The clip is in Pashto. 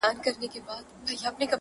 • زړه ښځه وه یوازي اوسېدله -